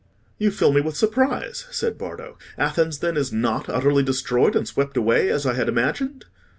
"You fill me with surprise," said Bardo. "Athens, then, is not utterly destroyed and swept away, as I had imagined?"